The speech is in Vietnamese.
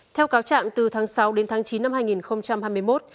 theo cáo trạng từ tháng sáu đến tháng chín năm hai nghìn hai mươi một